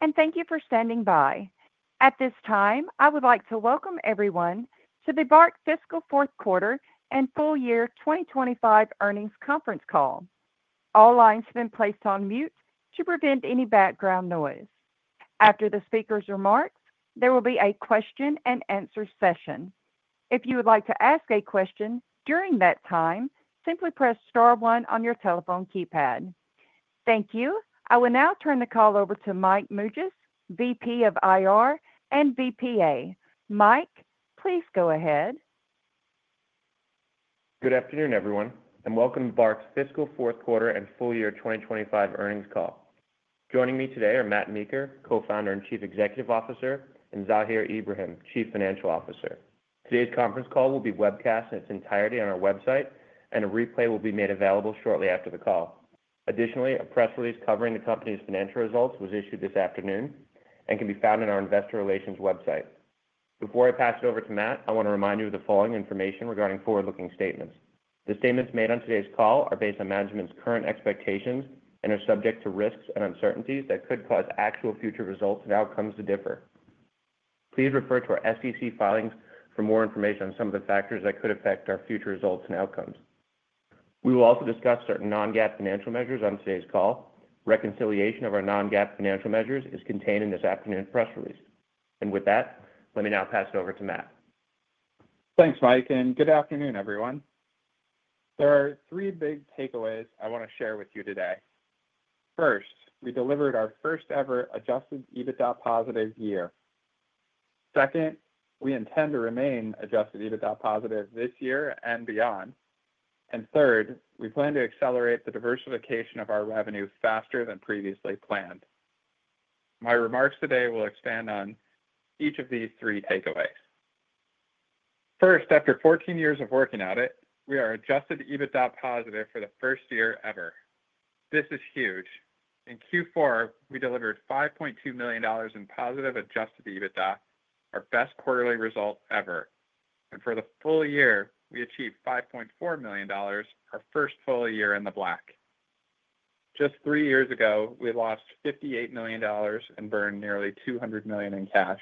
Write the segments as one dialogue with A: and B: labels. A: Hello, and thank you for standing by. At this time, I would like to welcome everyone to the BARK Fiscal Fourth Quarter and Full Year 2025 Earnings Conference Call. All lines have been placed on mute to prevent any background noise. After the speaker's remarks, there will be a question-and-answer session. If you would like to ask a question during that time, simply press star one on your telephone keypad. Thank you. I will now turn the call over to Mike Mougias, VP of Investor Relations and VPA. Mike, please go ahead.
B: Good afternoon, everyone, and welcome to BARK's Fiscal Fourth Quarter and Full Year 2025 Earnings Call. Joining me today are Matt Meeker, Co-founder and Chief Executive Officer, and Zahir Ibrahim, Chief Financial Officer. Today's conference call will be webcast in its entirety on our website, and a replay will be made available shortly after the call. Additionally, a press release covering the company's financial results was issued this afternoon and can be found on our investor relations website. Before I pass it over to Matt, I want to remind you of the following information regarding forward-looking statements. The statements made on today's call are based on management's current expectations and are subject to risks and uncertainties that could cause actual future results and outcomes to differ. Please refer to our SEC filings for more information on some of the factors that could affect our future results and outcomes. We will also discuss certain non-GAAP financial measures on today's call. Reconciliation of our non-GAAP financial measures is contained in this afternoon's press release. With that, let me now pass it over to Matt. Thanks, Mike, and good afternoon, everyone. There are three big takeaways I want to share with you today. First, we delivered our first-ever adjusted EBITDA positive year. Second, we intend to remain adjusted EBITDA positive this year and beyond. Third, we plan to accelerate the diversification of our revenue faster than previously planned. My remarks today will expand on each of these three takeaways. First, after 14 years of working at it, we are adjusted EBITDA positive for the first year ever. This is huge. In Q4, we delivered $5.2 million in positive adjusted EBITDA, our best quarterly result ever. For the full year, we achieved $5.4 million, our first full year in the black. Just three years ago, we lost $58 million and burned nearly $200 million in cash.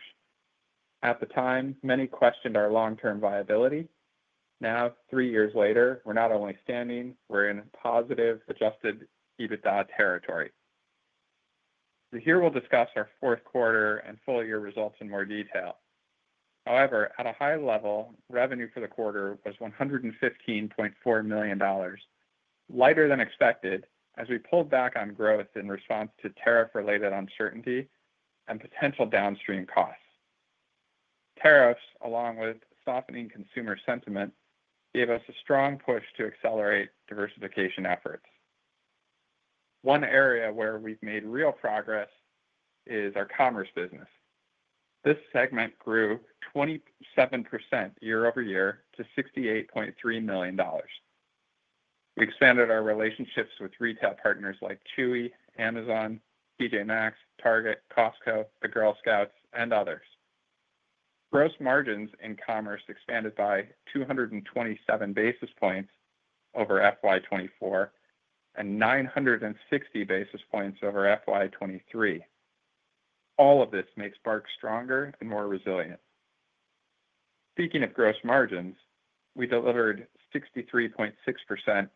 B: At the time, many questioned our long-term viability. Now, three years later, we're not only standing, we're in positive adjusted EBITDA territory. Here we'll discuss our fourth quarter and full year results in more detail. However, at a high level, revenue for the quarter was $115.4 million, lighter than expected as we pulled back on growth in response to tariff-related uncertainty and potential downstream costs. Tariffs, along with softening consumer sentiment, gave us a strong push to accelerate diversification efforts. One area where we've made real progress is our commerce business. This segment grew 27% year over year to $68.3 million. We expanded our relationships with retail partners like Chewy, Amazon, T.J. Maxx, Target, Costco, the Girl Scouts, and others. Gross margins in commerce expanded by 227 basis points over FY 2024 and 960 basis points over FY 2023. All of this may spark stronger and more resilience. Speaking of gross margins, we delivered 63.6%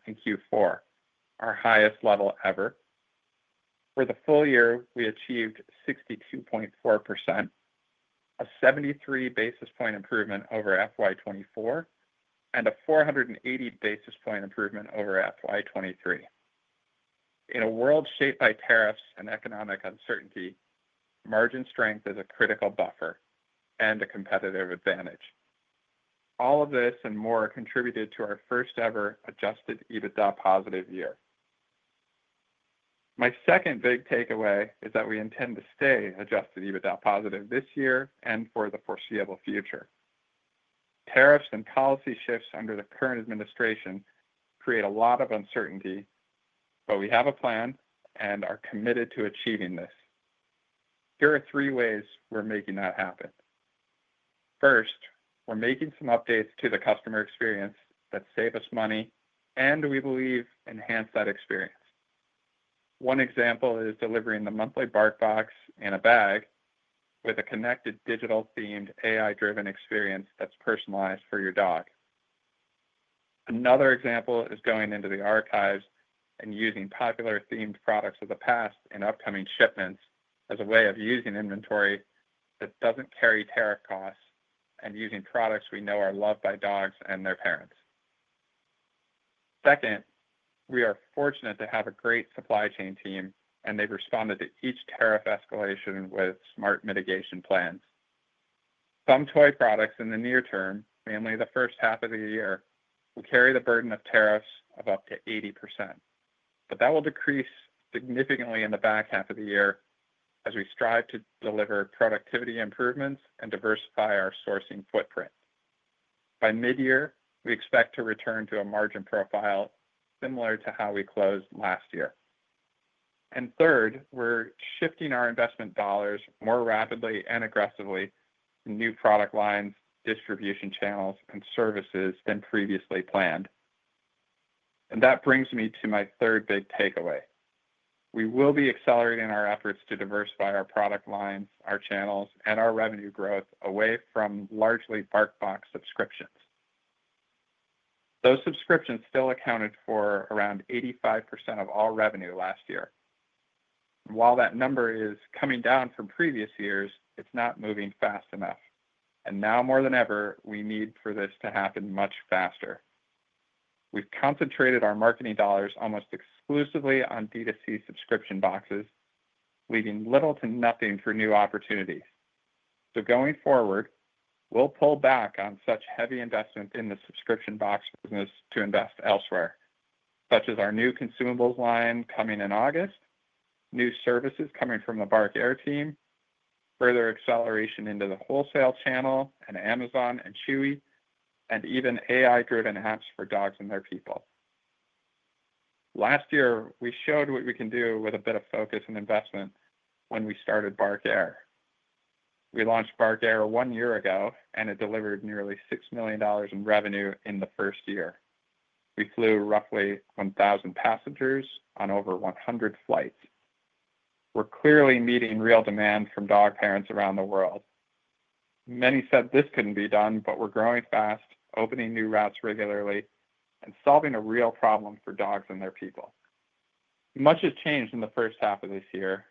B: in Q4, our highest level ever. For the full year, we achieved 62.4%, a 73 basis point improvement over FY 2024, and a 480 basis point improvement over FY2023. In a world shaped by tariffs and economic uncertainty, margin strength is a critical buffer and a competitive advantage. All of this and more contributed to our first-ever adjusted EBITDA positive year. My second big takeaway is that we intend to stay adjusted EBITDA positive this year and for the foreseeable future. Tariffs and policy shifts under the current administration create a lot of uncertainty, but we have a plan and are committed to achieving this. Here are three ways we're making that happen. First, we're making some updates to the customer experience that save us money and, we believe, enhance that experience. One example is delivering the monthly BARK Box in a bag with a connected digital-themed AI-driven experience that's personalized for your dog. Another example is going into the archives and using popular themed products of the past and upcoming shipments as a way of using inventory that doesn't carry tariff costs and using products we know are loved by dogs and their parents. Second, we are fortunate to have a great supply chain team, and they've responded to each tariff escalation with smart mitigation plans. Some toy products in the near term, mainly the first half of the year, will carry the burden of tariffs of up to 80%. That will decrease significantly in the back half of the year as we strive to deliver productivity improvements and diversify our sourcing footprint. By mid-year, we expect to return to a margin profile similar to how we closed last year. Third, we're shifting our investment dollars more rapidly and aggressively to new product lines, distribution channels, and services than previously planned. That brings me to my third big takeaway. We will be accelerating our efforts to diversify our product lines, our channels, and our revenue growth away from largely BARK Box subscriptions. Those subscriptions still accounted for around 85% of all revenue last year. While that number is coming down from previous years, it's not moving fast enough. Now more than ever, we need for this to happen much faster. We've concentrated our marketing dollars almost exclusively on D2C subscription boxes, leaving little to nothing for new opportunities. Going forward, we'll pull back on such heavy investment in the subscription box business to invest elsewhere, such as our new consumables line coming in August, new services coming from the BARK Air team, further acceleration into the wholesale channel and Amazon and Chewy, and even AI-driven apps for dogs and their people. Last year, we showed what we can do with a bit of focus and investment when we started BARK Air. We launched BARK Air one year ago, and it delivered nearly $6 million in revenue in the first year. We flew roughly 1,000 passengers on over 100 flights. We're clearly meeting real demand from dog parents around the world. Many said this couldn't be done, but we're growing fast, opening new routes regularly, and solving a real problem for dogs and their people. Much has changed in the first half of this year,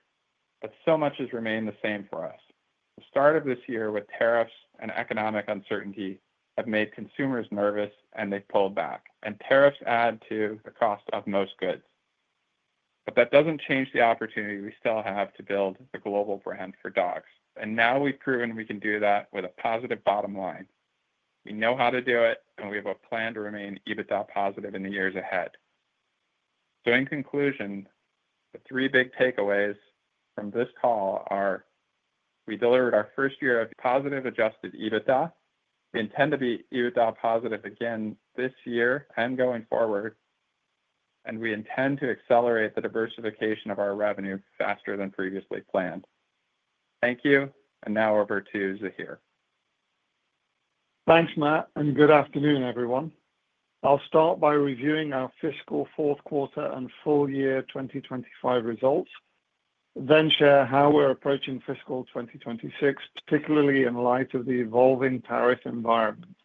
B: but so much has remained the same for us. The start of this year with tariffs and economic uncertainty have made consumers nervous, and they've pulled back. Tariffs add to the cost of most goods. That doesn't change the opportunity we still have to build the global brand for dogs. Now we've proven we can do that with a positive bottom line. We know how to do it, and we have a plan to remain EBITDA positive in the years ahead. In conclusion, the three big takeaways from this call are we delivered our first year of positive adjusted EBITDA, we intend to be EBITDA positive again this year and going forward, and we intend to accelerate the diversification of our revenue faster than previously planned. Thank you, and now over to Zahir.
C: Thanks, Matt, and good afternoon, everyone. I'll start by reviewing our fiscal fourth quarter and full year 2025 results, then share how we're approaching fiscal 2026, particularly in light of the evolving tariff environment.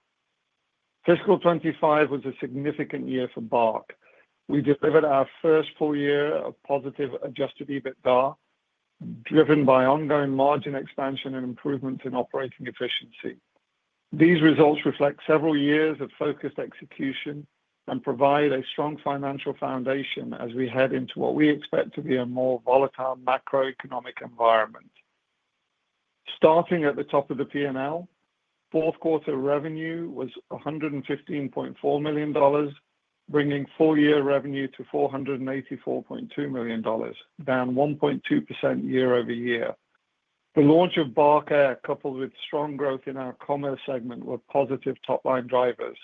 C: Fiscal 2025 was a significant year for BARK. We delivered our first full year of positive adjusted EBITDA, driven by ongoing margin expansion and improvements in operating efficiency. These results reflect several years of focused execution and provide a strong financial foundation as we head into what we expect to be a more volatile macroeconomic environment. Starting at the top of the P&L, fourth quarter revenue was $115.4 million, bringing full year revenue to $484.2 million, down 1.2% year-over-year. The launch of BARK Air, coupled with strong growth in our commerce segment, were positive top-line drivers.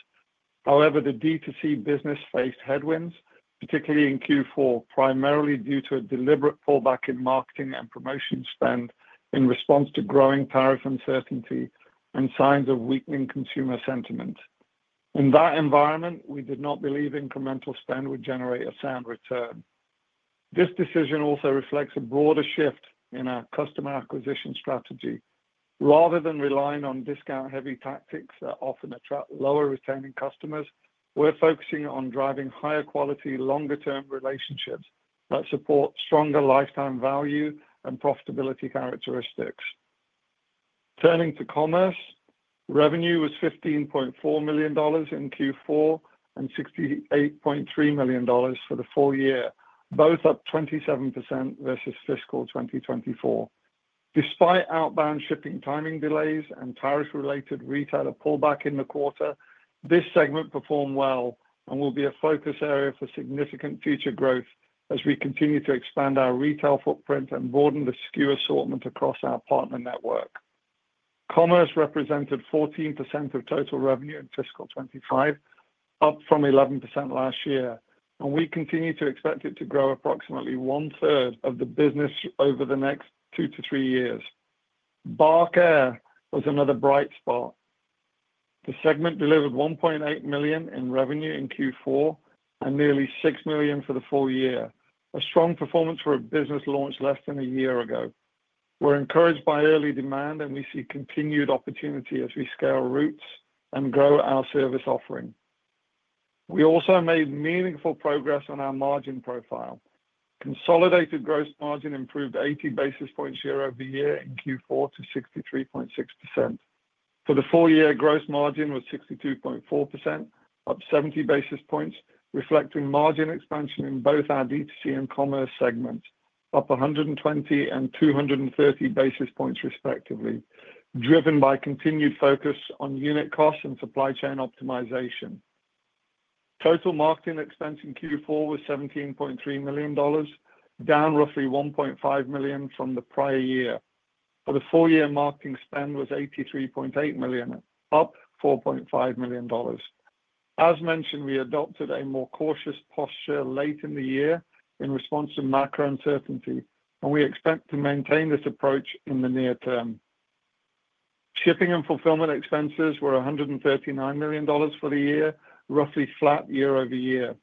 C: However, the D2C business faced headwinds, particularly in Q4, primarily due to a deliberate pullback in marketing and promotion spend in response to growing tariff uncertainty and signs of weakening consumer sentiment. In that environment, we did not believe incremental spend would generate a sound return. This decision also reflects a broader shift in our customer acquisition strategy. Rather than relying on discount-heavy tactics that often attract lower-retaining customers, we're focusing on driving higher-quality, longer-term relationships that support stronger lifetime value and profitability characteristics. Turning to commerce, revenue was $15.4 million in Q4 and $68.3 million for the full year, both up 27% versus fiscal 2024. Despite outbound shipping timing delays and tariff-related retailer pullback in the quarter, this segment performed well and will be a focus area for significant future growth as we continue to expand our retail footprint and broaden the SKU assortment across our partner network. Commerce represented 14% of total revenue in fiscal 2025, up from 11% last year, and we continue to expect it to grow to approximately one-third of the business over the next two to three years. BARK Air was another bright spot. The segment delivered $1.8 million in revenue in Q4 and nearly $6 million for the full year, a strong performance for a business launched less than a year ago. We're encouraged by early demand, and we see continued opportunity as we scale routes and grow our service offering. We also made meaningful progress on our margin profile. Consolidated gross margin improved 80 basis points year-over-year in Q4 to 63.6%. For the full year, gross margin was 62.4%, up 70 basis points, reflecting margin expansion in both our D2C and commerce segments, up 120 and 230 basis points respectively, driven by continued focus on unit costs and supply chain optimization. Total marketing expense in Q4 was $17.3 million, down roughly $1.5 million from the prior year. For the full year, marketing spend was $83.8 million, up $4.5 million. As mentioned, we adopted a more cautious posture late in the year in response to macro uncertainty, and we expect to maintain this approach in the near term. Shipping and fulfillment expenses were $139 million for the year, roughly flat year-over-year.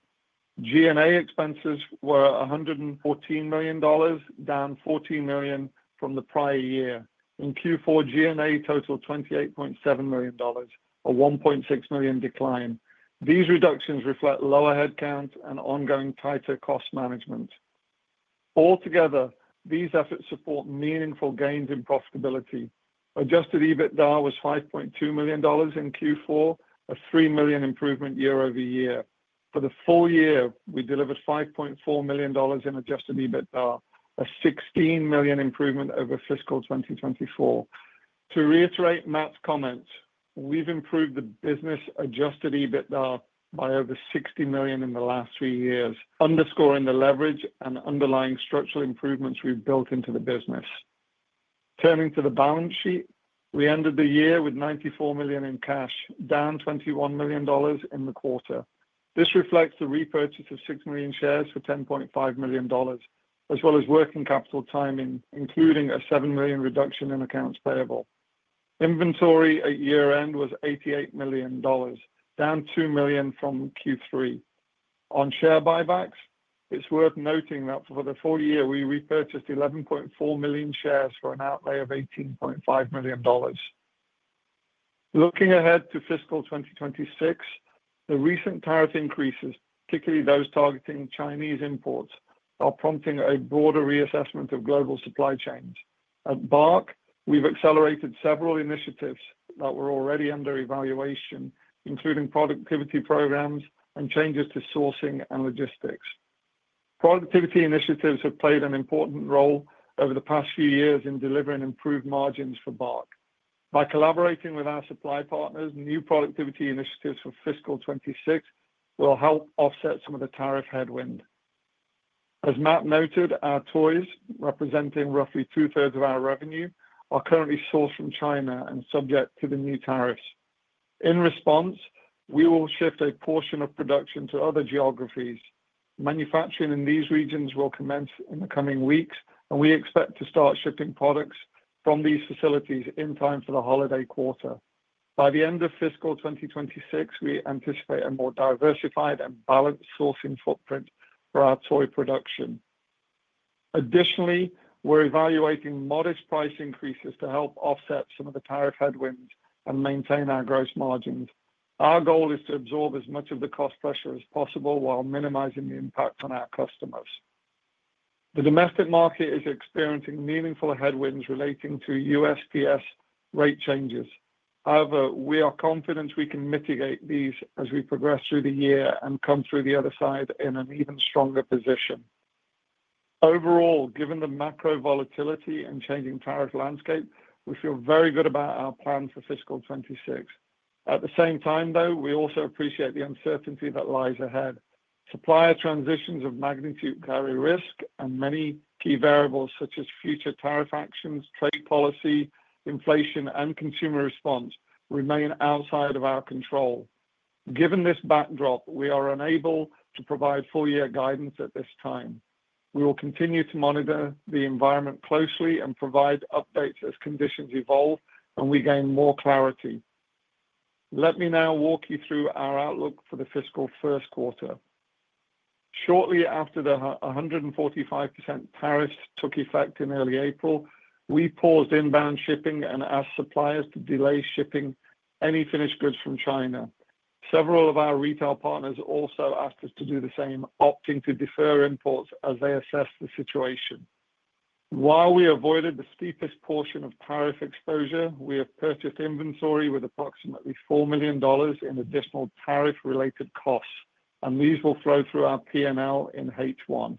C: G&A expenses were $114 million, down $14 million from the prior year. In Q4, G&A totaled $28.7 million, a $1.6 million decline. These reductions reflect lower headcount and ongoing tighter cost management. Altogether, these efforts support meaningful gains in profitability. Adjusted EBITDA was $5.2 million in Q4, a $3 million improvement year-over-year. For the full year, we delivered $5.4 million in adjusted EBITDA, a $16 million improvement over fiscal 2024. To reiterate Matt's comments, we've improved the business adjusted EBITDA by over $60 million in the last three years, underscoring the leverage and underlying structural improvements we've built into the business. Turning to the balance sheet, we ended the year with $94 million in cash, down $21 million in the quarter. This reflects the repurchase of $6 million shares for $10.5 million, as well as working capital timing, including a $7 million reduction in accounts payable. Inventory at year-end was $88 million, down $2 million from Q3. On share buybacks, it's worth noting that for the full year, we repurchased 11.4 million shares for an outlay of $18.5 million. Looking ahead to fiscal 2026, the recent tariff increases, particularly those targeting Chinese imports, are prompting a broader reassessment of global supply chains. At BARK, we've accelerated several initiatives that were already under evaluation, including productivity programs and changes to sourcing and logistics. Productivity initiatives have played an important role over the past few years in delivering improved margins for BARK. By collaborating with our supply partners, new productivity initiatives for fiscal 2026 will help offset some of the tariff headwind. As Matt noted, our toys, representing roughly two-thirds of our revenue, are currently sourced from China and subject to the new tariffs. In response, we will shift a portion of production to other geographies. Manufacturing in these regions will commence in the coming weeks, and we expect to start shipping products from these facilities in time for the holiday quarter. By the end of fiscal 2026, we anticipate a more diversified and balanced sourcing footprint for our toy production. Additionally, we're evaluating modest price increases to help offset some of the tariff headwinds and maintain our gross margins. Our goal is to absorb as much of the cost pressure as possible while minimizing the impact on our customers. The domestic market is experiencing meaningful headwinds relating to USD rate changes. However, we are confident we can mitigate these as we progress through the year and come through the other side in an even stronger position. Overall, given the macro volatility and changing tariff landscape, we feel very good about our plan for fiscal 2026. At the same time, though, we also appreciate the uncertainty that lies ahead. Supplier transitions of magnitude carry risk, and many key variables such as future tariff actions, trade policy, inflation, and consumer response remain outside of our control. Given this backdrop, we are unable to provide full-year guidance at this time. We will continue to monitor the environment closely and provide updates as conditions evolve and we gain more clarity. Let me now walk you through our outlook for the fiscal first quarter. Shortly after the 145% tariffs took effect in early April, we paused inbound shipping and asked suppliers to delay shipping any finished goods from China. Several of our retail partners also asked us to do the same, opting to defer imports as they assess the situation. While we avoided the steepest portion of tariff exposure, we have purchased inventory with approximately $4 million in additional tariff-related costs, and these will flow through our P&L in H1.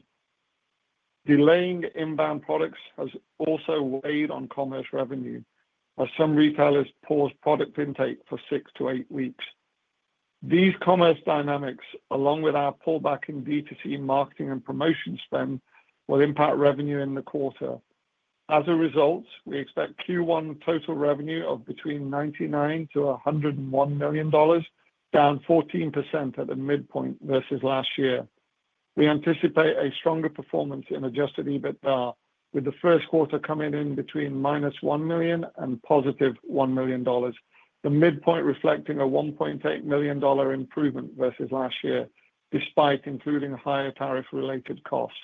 C: Delaying inbound products has also weighed on commerce revenue, as some retailers paused product intake for six to eight weeks. These commerce dynamics, along with our pullback in D2C marketing and promotion spend, will impact revenue in the quarter. As a result, we expect Q1 total revenue of between $99-$101 million, down 14% at the midpoint versus last year. We anticipate a stronger performance in adjusted EBITDA, with the first quarter coming in between minus $1 million and positive $1 million, the midpoint reflecting a $1.8 million improvement versus last year, despite including higher tariff-related costs.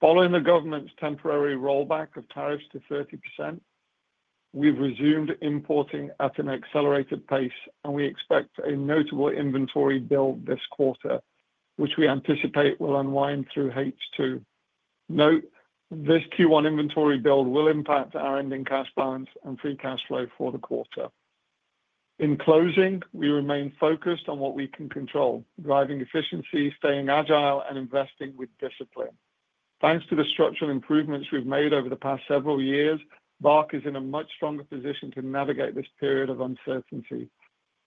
C: Following the government's temporary rollback of tariffs to 30%, we've resumed importing at an accelerated pace, and we expect a notable inventory build this quarter, which we anticipate will unwind through H2. Note this Q1 inventory build will impact our ending cash balance and free cash flow for the quarter. In closing, we remain focused on what we can control, driving efficiency, staying agile, and investing with discipline. Thanks to the structural improvements we've made over the past several years, BARK is in a much stronger position to navigate this period of uncertainty.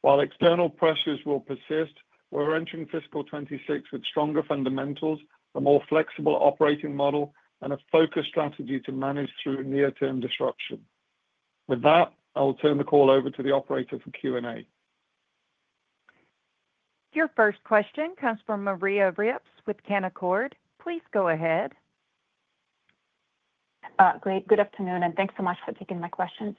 C: While external pressures will persist, we're entering fiscal 2026 with stronger fundamentals, a more flexible operating model, and a focused strategy to manage through near-term disruption. With that, I'll turn the call over to the operator for Q&A.
A: Your first question comes from Maria Ripps with Canaccord. Please go ahead.
D: Great. Good afternoon, and thanks so much for taking my questions.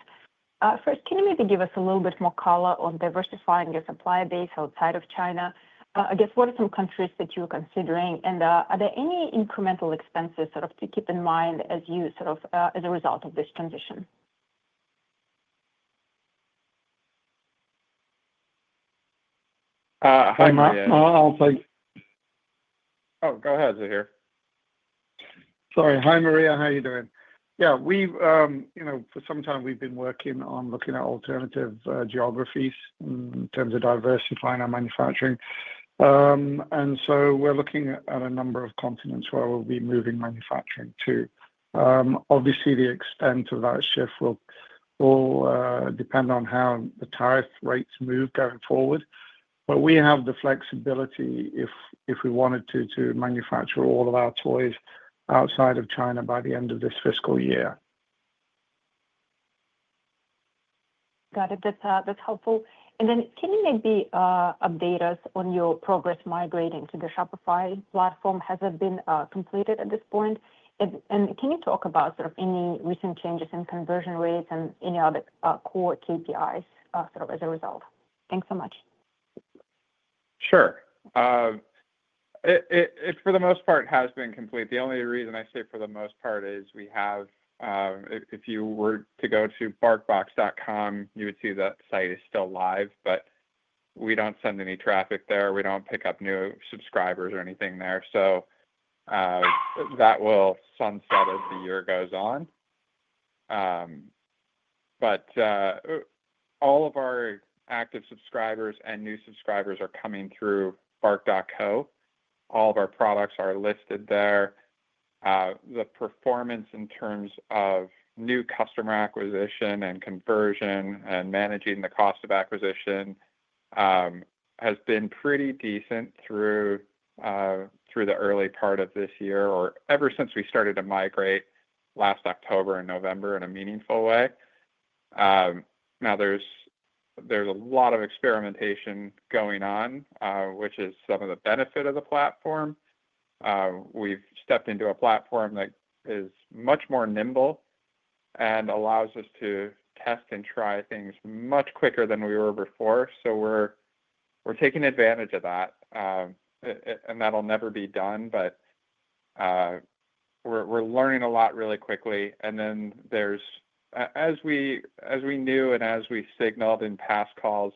D: First, can you maybe give us a little bit more color on diversifying your supply base outside of China? I guess, what are some countries that you're considering, and are there any incremental expenses to keep in mind as a result of this transition?
C: Hi, Matt. I'll take.
E: Oh, go ahead, Zahir.
C: Sorry. Hi, Maria. How are you doing? Yeah, we've, you know, for some time, we've been working on looking at alternative geographies in terms of diversifying our manufacturing. And so we're looking at a number of continents where we'll be moving manufacturing to. Obviously, the extent of that shift will depend on how the tariff rates move going forward, but we have the flexibility, if we wanted to, to manufacture all of our toys outside of China by the end of this fiscal year.
D: Got it. That's helpful. Can you maybe update us on your progress migrating to the Shopify platform? Has it been completed at this point? Can you talk about sort of any recent changes in conversion rates and any other core KPIs sort of as a result? Thanks so much.
E: Sure. For the most part, it has been complete. The only reason I say for the most part is we have—if you were to go to barkbox.com, you would see that site is still live, but we do not send any traffic there. We do not pick up new subscribers or anything there. That will sunset as the year goes on. All of our active subscribers and new subscribers are coming through bark.co. All of our products are listed there. The performance in terms of new customer acquisition and conversion and managing the cost of acquisition has been pretty decent through the early part of this year or ever since we started to migrate last October and November in a meaningful way. Now, there is a lot of experimentation going on, which is some of the benefit of the platform. We've stepped into a platform that is much more nimble and allows us to test and try things much quicker than we were before. We're taking advantage of that, and that'll never be done, but we're learning a lot really quickly. There is—as we knew and as we signaled in past calls,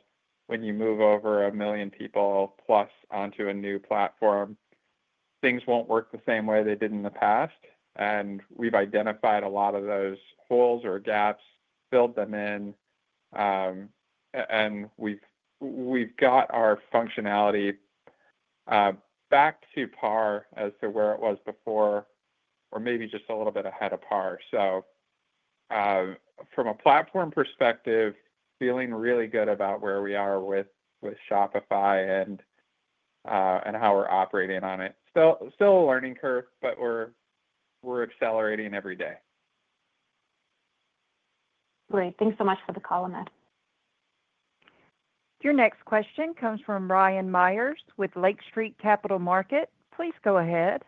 E: when you move over a million people plus onto a new platform, things won't work the same way they did in the past. We've identified a lot of those holes or gaps, filled them in, and we've got our functionality back to par as to where it was before or maybe just a little bit ahead of par. From a platform perspective, feeling really good about where we are with Shopify and how we're operating on it. Still a learning curve, but we're accelerating every day.
D: Great. Thanks so much for the call, Matt.
A: Your next question comes from Ryan Myers with Lake Street Capital Market. Please go ahead.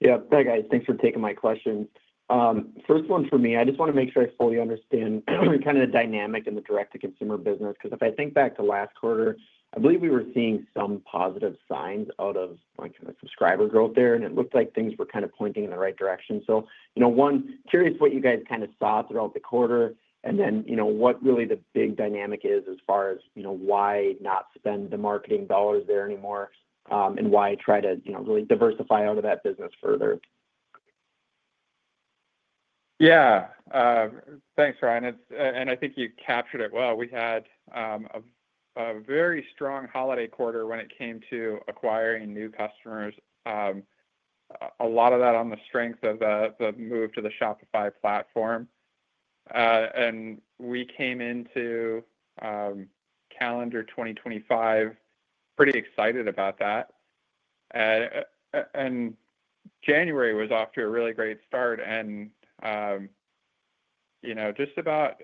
F: Yeah. Hey, guys. Thanks for taking my questions. First one for me, I just want to make sure I fully understand kind of the dynamic in the direct-to-consumer business because if I think back to last quarter, I believe we were seeing some positive signs out of kind of subscriber growth there, and it looked like things were kind of pointing in the right direction. One, curious what you guys kind of saw throughout the quarter and then what really the big dynamic is as far as why not spend the marketing dollars there anymore and why try to really diversify out of that business further?
E: Yeah. Thanks, Ryan. I think you captured it well. We had a very strong holiday quarter when it came to acquiring new customers, a lot of that on the strength of the move to the Shopify platform. We came into calendar 2025 pretty excited about that. January was off to a really great start. Just about,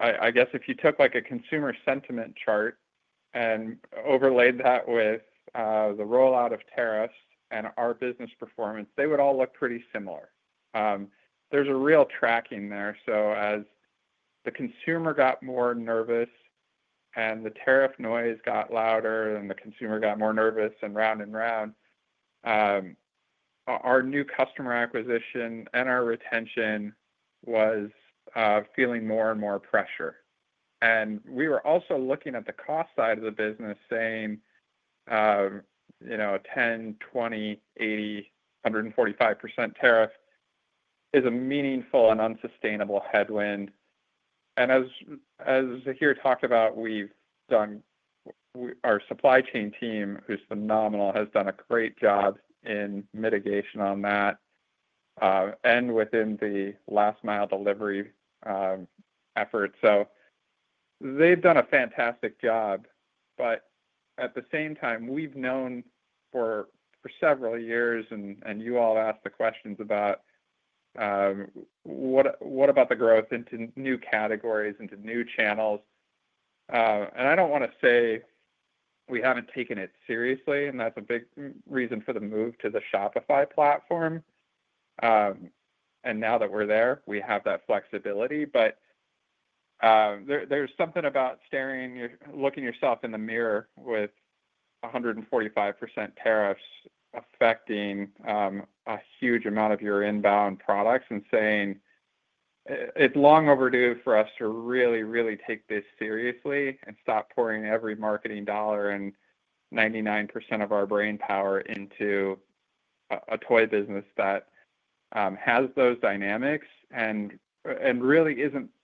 E: I guess, if you took a consumer sentiment chart and overlaid that with the rollout of tariffs and our business performance, they would all look pretty similar. There is a real tracking there. As the consumer got more nervous and the tariff noise got louder and the consumer got more nervous and round and round, our new customer acquisition and our retention was feeling more and more pressure. We were also looking at the cost side of the business, saying a 10%, 20%, 80%, 145% tariff is a meaningful and unsustainable headwind. As Zahir talked about, our supply chain team, who's phenomenal, has done a great job in mitigation on that and within the last-mile delivery effort. They've done a fantastic job. At the same time, we've known for several years, and you all asked the questions about what about the growth into new categories, into new channels. I don't want to say we haven't taken it seriously, and that's a big reason for the move to the Shopify platform. Now that we're there, we have that flexibility. There is something about looking yourself in the mirror with 145% tariffs affecting a huge amount of your inbound products and saying it is long overdue for us to really, really take this seriously and stop pouring every marketing dollar and 99% of our brain power into a toy business that has those dynamics and really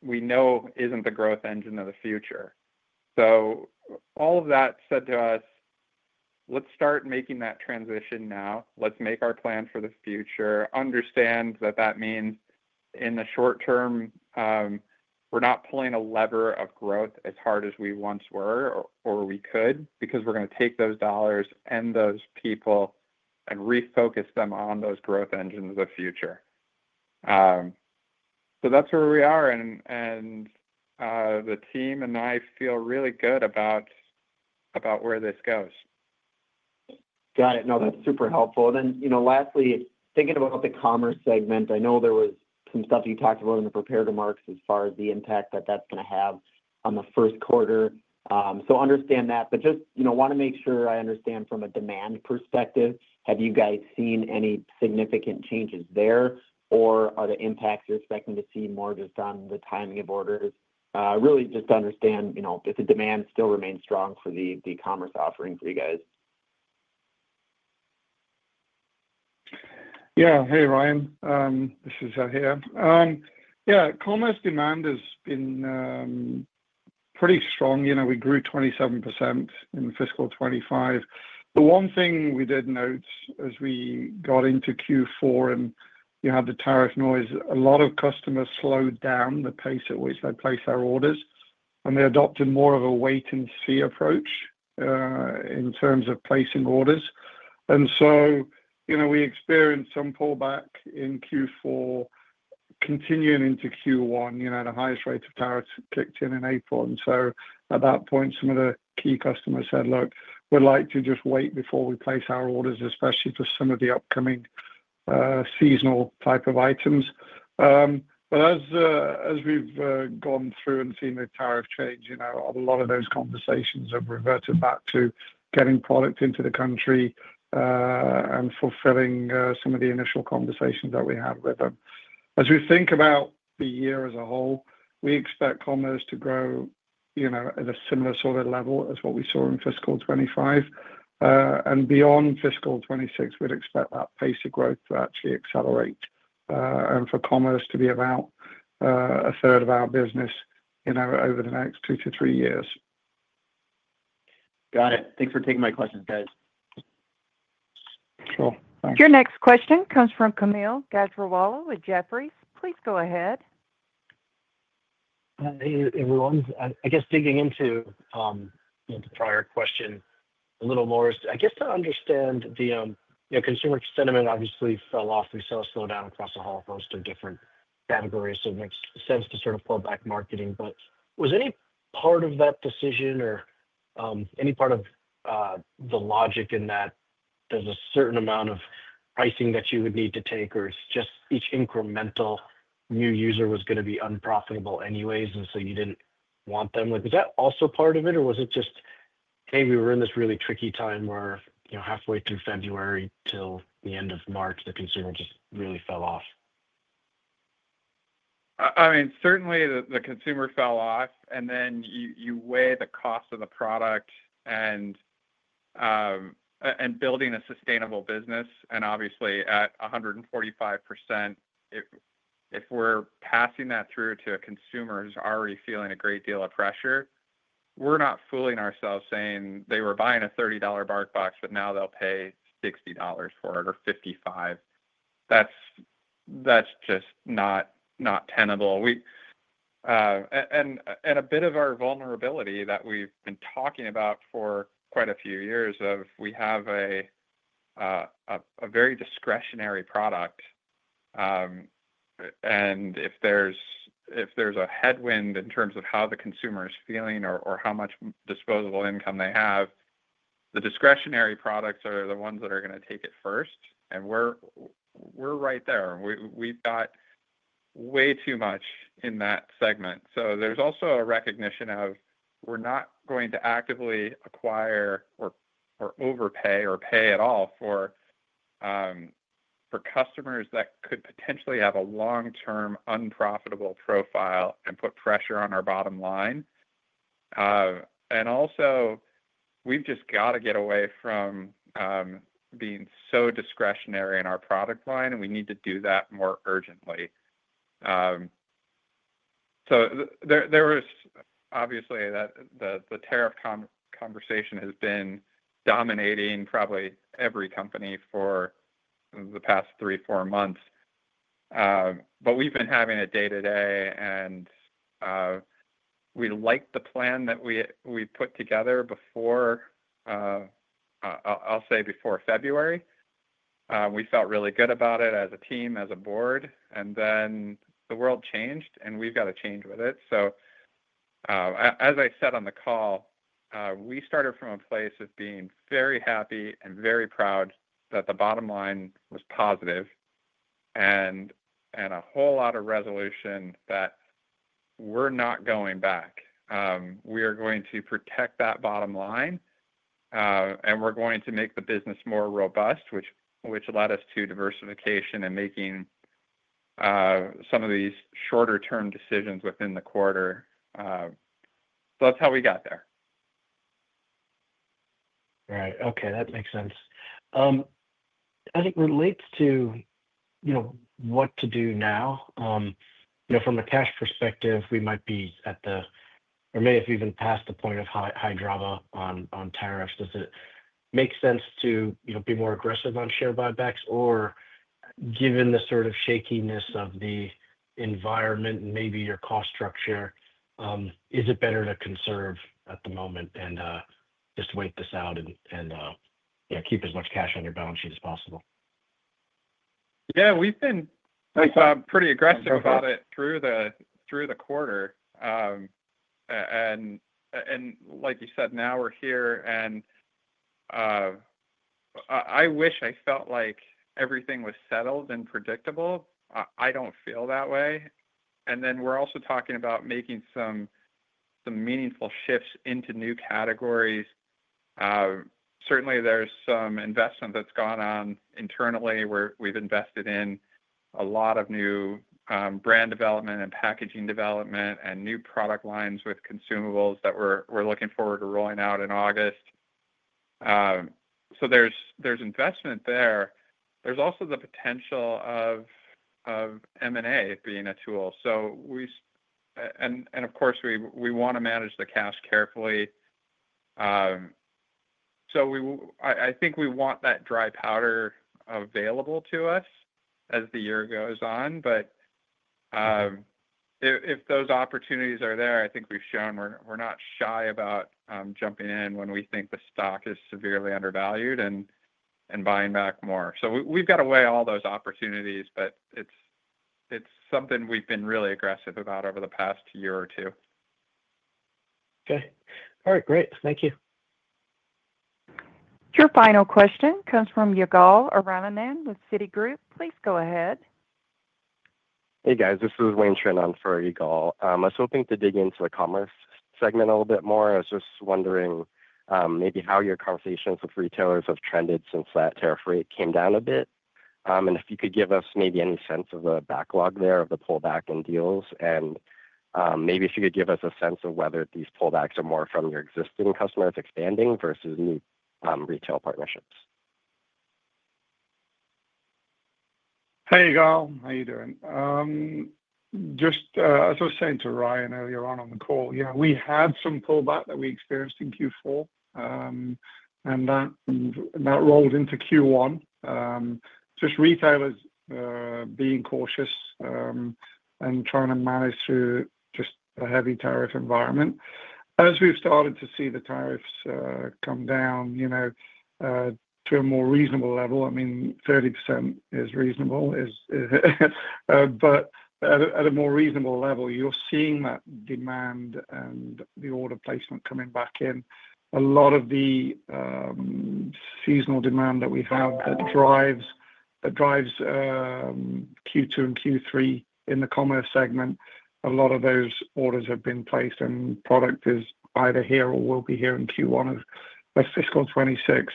E: we know is not the growth engine of the future. All of that said to us, let us start making that transition now. Let us make our plan for the future. Understand that that means in the short term, we are not pulling a lever of growth as hard as we once were or we could because we are going to take those dollars and those people and refocus them on those growth engines of the future. That is where we are. The team and I feel really good about where this goes.
F: Got it. No, that's super helpful. Lastly, thinking about the commerce segment, I know there was some stuff you talked about in the prepared remarks as far as the impact that that's going to have on the first quarter. I understand that. I just want to make sure I understand from a demand perspective, have you guys seen any significant changes there, or are the impacts you're expecting to see more just on the timing of orders? I really just want to understand if the demand still remains strong for the commerce offering for you guys?
C: Yeah. Hey, Ryan. This is Zahir. Yeah, commerce demand has been pretty strong. We grew 27% in fiscal 2025. The one thing we did note as we got into Q4 and you had the tariff noise, a lot of customers slowed down the pace at which they placed their orders, and they adopted more of a wait-and-see approach in terms of placing orders. We experienced some pullback in Q4, continuing into Q1. The highest rate of tariffs kicked in in April. At that point, some of the key customers said, "Look, we'd like to just wait before we place our orders, especially for some of the upcoming seasonal type of items." As we have gone through and seen the tariff change, a lot of those conversations have reverted back to getting product into the country and fulfilling some of the initial conversations that we had with them. As we think about the year as a whole, we expect commerce to grow at a similar sort of level as what we saw in fiscal 2025. Beyond fiscal 2026, we would expect that pace of growth to actually accelerate and for commerce to be about a third of our business over the next two to three years.
F: Got it. Thanks for taking my questions, guys.
C: Sure. Thanks.
A: Your next question comes from Kaumil Gajrawala with Jefferies. Please go ahead.
G: Hey, everyone. I guess digging into the prior question a little more is, I guess, to understand the consumer sentiment obviously fell off. We saw a slowdown across a whole host of different categories. It makes sense to sort of pull back marketing. Was any part of that decision or any part of the logic in that there's a certain amount of pricing that you would need to take or it's just each incremental new user was going to be unprofitable anyways and you did not want them? Was that also part of it or was it just, "Hey, we were in this really tricky time where halfway through February till the end of March, the consumer just really fell off"?
E: I mean, certainly the consumer fell off. Then you weigh the cost of the product and building a sustainable business. Obviously, at 145%, if we're passing that through to a consumer who's already feeling a great deal of pressure, we're not fooling ourselves saying, "They were buying a $30 BarkBox, but now they'll pay $60 for it or $55." That's just not tenable. A bit of our vulnerability that we've been talking about for quite a few years is we have a very discretionary product. If there's a headwind in terms of how the consumer is feeling or how much disposable income they have, the discretionary products are the ones that are going to take it first. We're right there. We've got way too much in that segment. There is also a recognition of we're not going to actively acquire or overpay or pay at all for customers that could potentially have a long-term unprofitable profile and put pressure on our bottom line. Also, we've just got to get away from being so discretionary in our product line, and we need to do that more urgently. Obviously, the tariff conversation has been dominating probably every company for the past three or four months. We've been having it day-to-day, and we liked the plan that we put together before, I'll say, before February. We felt really good about it as a team, as a board. Then the world changed, and we've got to change with it. As I said on the call, we started from a place of being very happy and very proud that the bottom line was positive and a whole lot of resolution that we're not going back. We are going to protect that bottom line, and we're going to make the business more robust, which led us to diversification and making some of these shorter-term decisions within the quarter. That's how we got there.
G: Right. Okay. That makes sense. As it relates to what to do now, from a cash perspective, we might be at the or may have even passed the point of high drama on tariffs. Does it make sense to be more aggressive on share buybacks? Or given the sort of shakiness of the environment and maybe your cost structure, is it better to conserve at the moment and just wait this out and keep as much cash on your balance sheet as possible?
E: Yeah. We've been pretty aggressive about it through the quarter. Like you said, now we're here. I wish I felt like everything was settled and predictable. I don't feel that way. We're also talking about making some meaningful shifts into new categories. Certainly, there's some investment that's gone on internally where we've invested in a lot of new brand development and packaging development and new product lines with consumables that we're looking forward to rolling out in August. There's investment there. There's also the potential of M&A being a tool. Of course, we want to manage the cash carefully. I think we want that dry powder available to us as the year goes on. If those opportunities are there, I think we've shown we're not shy about jumping in when we think the stock is severely undervalued and buying back more. We have got to weigh all those opportunities, but it is something we have been really aggressive about over the past year or two.
G: Okay. All right. Great. Thank you.
A: Your final question comes from Yigal Aramanan with Citigroup. Please go ahead.
H: Hey, guys. This is Wayne Trinh for Yigal. I was hoping to dig into the commerce segment a little bit more. I was just wondering maybe how your conversations with retailers have trended since that tariff rate came down a bit. If you could give us maybe any sense of the backlog there of the pullback in deals. Maybe if you could give us a sense of whether these pullbacks are more from your existing customers expanding versus new retail partnerships?
C: Hey, Yigal. How are you doing? Just as I was saying to Ryan earlier on the call, yeah, we had some pullback that we experienced in Q4, and that rolled into Q1. Just retailers being cautious and trying to manage through just a heavy tariff environment. As we've started to see the tariffs come down to a more reasonable level, I mean, 30% is reasonable. At a more reasonable level, you're seeing that demand and the order placement coming back in. A lot of the seasonal demand that we have that drives Q2 and Q3 in the commerce segment, a lot of those orders have been placed, and product is either here or will be here in Q1 of fiscal 2026.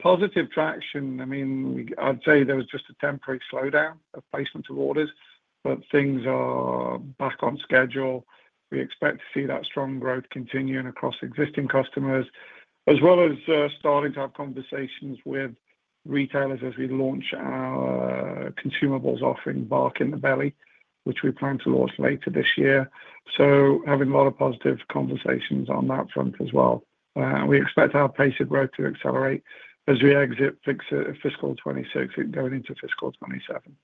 C: Positive traction. I'd say there was just a temporary slowdown of placement of orders, but things are back on schedule. We expect to see that strong growth continuing across existing customers, as well as starting to have conversations with retailers as we launch our consumables offering, Bark in the Belly, which we plan to launch later this year. Having a lot of positive conversations on that front as well. We expect our pace of growth to accelerate as we exit fiscal 2026 and go into fiscal 2027.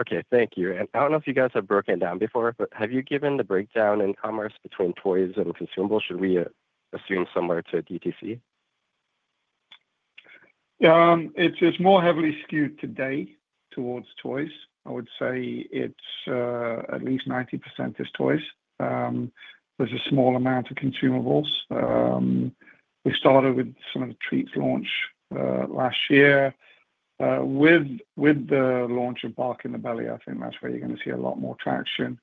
H: Okay. Thank you. I do not know if you guys have broken down before, but have you given the breakdown in commerce between toys and consumables? Should we assume similar to D2C?
C: It's more heavily skewed today towards toys. I would say at least 90% is toys. There's a small amount of consumables. We started with some of the treats launch last year. With the launch of Bark in the Belly, I think that's where you're going to see a lot more traction.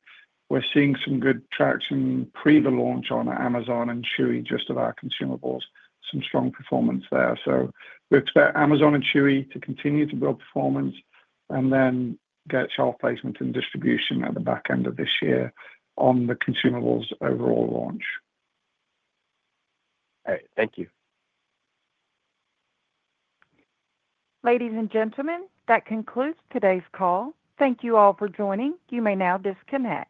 C: We're seeing some good traction pre-launch on Amazon and Chewy just about consumables, some strong performance there. We expect Amazon and Chewy to continue to build performance and then get shelf placement and distribution at the back end of this year on the consumables overall launch.
H: All right. Thank you.
A: Ladies and gentlemen, that concludes today's call. Thank you all for joining. You may now disconnect.